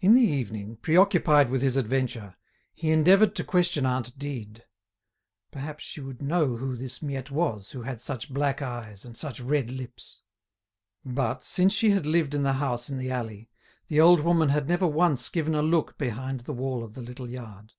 In the evening, preoccupied with his adventure, he endeavoured to question aunt Dide. Perhaps she would know who this Miette was who had such black eyes and such red lips. But, since she had lived in the house in the alley, the old woman had never once given a look behind the wall of the little yard.